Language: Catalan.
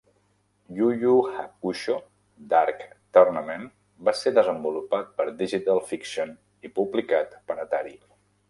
"Yu Yu Hakusho: Dark Tournament" va ser desenvolupat per Digital Fiction i publicat per Atari.